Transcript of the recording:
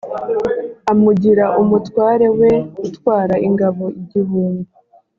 amugira umutware we utwara ingabo igihumbi